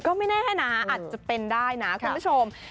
ก็ไม่แน่นะอาจจะเป็นได้นะคุณผู้ชม